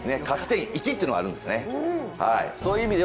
勝ち点１というのはあるんですね。